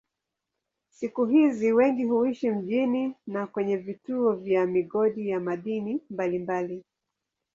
Siku hizi wengi huishi mjini na kwenye vituo vya migodi ya madini mbalimbali.